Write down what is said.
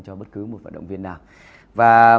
cho bất cứ một vận động viên nào và